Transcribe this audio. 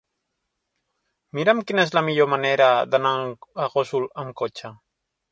Mira'm quina és la millor manera d'anar a Gósol amb cotxe.